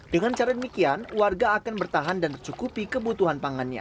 dengan cara demikian warga akan bertahan dan tercukupi kebutuhan pangannya